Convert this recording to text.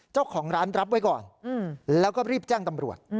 เจ้าของร้านรับไว้ก่อนแล้วก็รีบแจ้งตำรวจ